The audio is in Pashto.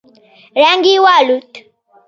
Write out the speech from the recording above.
رنگ يې والوت.